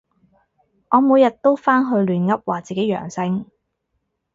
我每日都返去亂噏話自己陽性